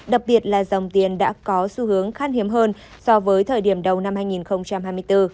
đặc biệt là dòng tiền đã có xu hướng khán hiếm hơn so với thời điểm đầu năm hai nghìn hai mươi bốn